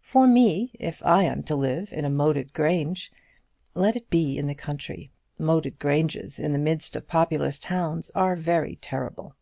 For me, if I am to live in a moated grange, let it be in the country. Moated granges in the midst of populous towns are very terrible.